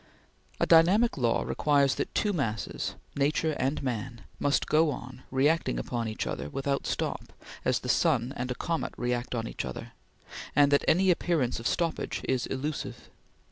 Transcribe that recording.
A dynamic law requires that two masses nature and man must go on, reacting upon each other, without stop, as the sun and a comet react on each other, and that any appearance of stoppage is illusive.